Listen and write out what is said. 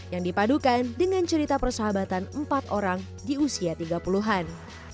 yang dipadukan dengan cerita persahabatan empat orang di usia tiga puluh an